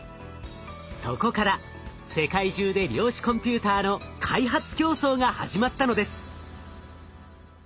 そこから世界中で量子コンピューターの開発競争が始まったのです。